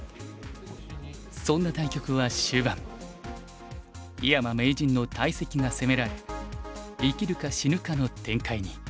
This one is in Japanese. そんな対局は終盤井山名人の大石が攻められ生きるか死ぬかの展開に。